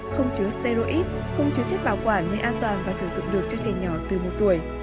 không chứa sterid không chứa chất bảo quản nơi an toàn và sử dụng được cho trẻ nhỏ từ một tuổi